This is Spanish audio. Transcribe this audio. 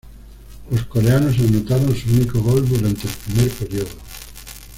Los coreanos anotaron su único gol durante el primer período.